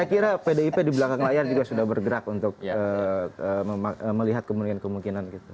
saya kira pdip di belakang layar juga sudah bergerak untuk melihat kemungkinan kemungkinan gitu